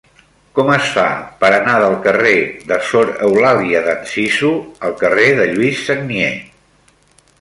Com es fa per anar del carrer de Sor Eulàlia d'Anzizu al carrer de Lluís Sagnier?